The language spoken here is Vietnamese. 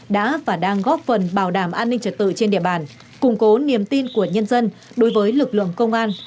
đã và đang góp phần bảo đảm an ninh trật tự trên địa bàn củng cố niềm tin của nhân dân đối với lực lượng công an